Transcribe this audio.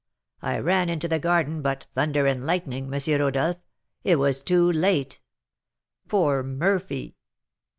I ran into the garden, but, thunder and lightning, M. Rodolph! it was too late " "Poor Murphy!"